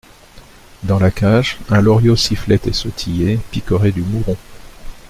Dans la cage, un loriot sifflait et sautillait, picorait du mouron.